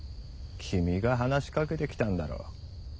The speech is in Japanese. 君が話しかけてきたんだろう。